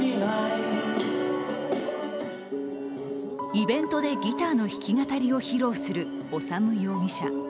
イベントでギターの弾き語りを披露する修容疑者。